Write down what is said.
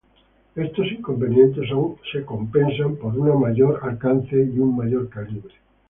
Estos inconvenientes son compensados por su mayor alcance y mayor calibre.